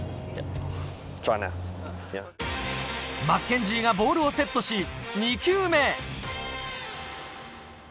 マッケンジーがボールをセットし、２球目。